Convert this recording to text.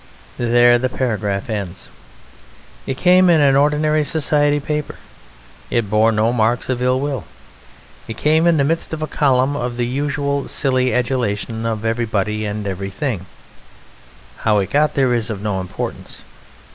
There the paragraph ends. It came in an ordinary society paper. It bore no marks of ill will. It came in the midst of a column of the usual silly adulation of everybody and everything; how it got there is of no importance.